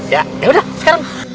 ya udah sekarang